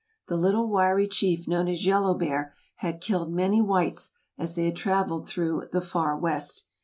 The little wiry chief known as Yellow Bear had killed many whites as they had travelled through the "far West."